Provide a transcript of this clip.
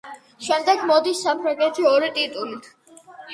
შემდეგ მოდის საფრანგეთი ორი ტიტულით.